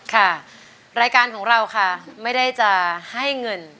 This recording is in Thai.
ค่ะรายการของเราค่ะไม่ได้จะให้เงิน